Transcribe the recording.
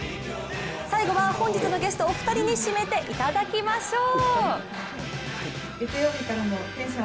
最後は本日のゲストお二人に締めていただきましょう。